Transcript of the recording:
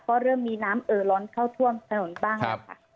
ก็เริ่มมีน้ำเอ่อล้นเข้าท่วมถนนบ้างแล้วค่ะ